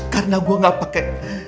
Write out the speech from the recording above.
karena gue gak pake